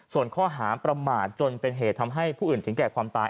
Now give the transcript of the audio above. ส่วนข้อหาประมาทจนเป็นเหตุทำให้ผู้อื่นถึงแก่ความตาย